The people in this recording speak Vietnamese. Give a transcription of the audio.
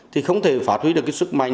thì không thể phát huy được sức manh